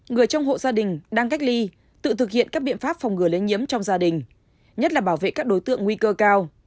người trong hộ gia đình đang cách ly tự thực hiện các biện pháp phòng ngừa lây nhiễm trong gia đình nhất là bảo vệ các đối tượng nguy cơ cao